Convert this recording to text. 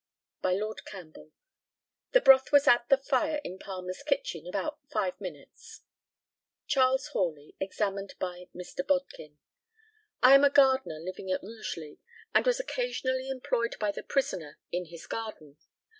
By Lord CAMPBELL. The broth was at the fire in Palmer's kitchen about five minutes. CHARLES HORLEY, examined by Mr. BODKIN. I am a gardener living at Rugeley, and was occasionally employed by the prisoner in his garden.